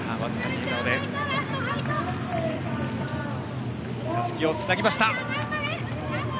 笑顔でたすきをつなげました。